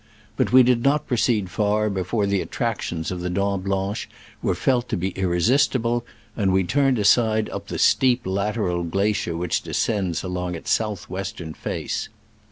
But we did not proceed far before the attractions of the Dent Blanche were felt to be ir resistible, and we turned aside up the steep lateral glacier which descends along its south west ern face.